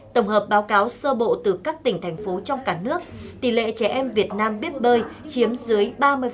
tổng hợp báo cáo sơ bộ từ các tỉnh thành phố trong cả nước tỷ lệ trẻ em việt nam biết bơi chiếm dưới ba mươi